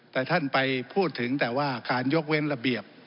แต่ท่านไปพูดถึงแต่ว่าการยกเว้นระเบียบ